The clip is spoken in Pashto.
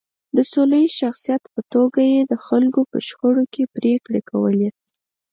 د سوله ییز شخصیت په توګه یې د خلکو په شخړو کې پرېکړې کولې.